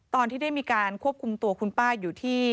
ตอนที่ได้มีการควบคุมตัวคุณป้าอยู่ที่